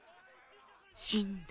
死んだ？